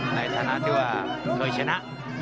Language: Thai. ในฐานะที่ว่าเคยชนะ